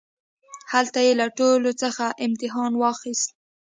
هلته يې له ټولوڅخه امتحان واخيست.